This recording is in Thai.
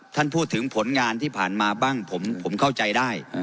ท่านพูดถึงผลงานที่ผ่านมาบ้างผมเข้าใจได้